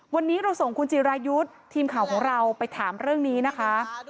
วันนี้เราส่งคุณจิรายุทธ์ทีมข่าวของเราไปถามเรื่องนี้นะคะ